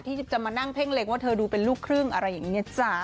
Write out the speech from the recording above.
ที่จะมานั่งเพ่งเล็งว่าเธอดูเป็นลูกครึ่งอะไรอย่างนี้จ๊ะ